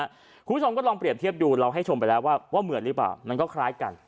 คุณผู้ชมก็ลองเปรียบเทียบดูเราให้ชมไปแล้วว่าเหมือนหรือเปล่ามันก็คล้ายกัน